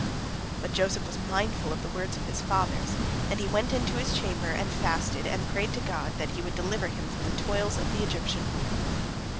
But Joseph was mindful of the words of his fathers, and he went into his chamber, and fasted, and prayed to God, that He would deliver him from the toils of the Egyptian woman.